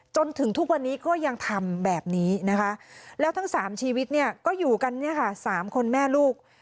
จนถึงทุกวันนี้ก็ยังทำแบบนี้นะคะแล้วทั้งสามชีวิตเนี่ยก็อยู่กันเนี่ยค่ะ๓คนแม่ลูก